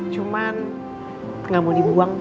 cuman gak mau dibuang